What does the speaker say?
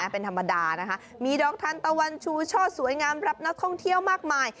เป็นธรรมดานะคะมีดอกทันตะวันชูช่อสวยงามรับนักท่องเที่ยวมากมาย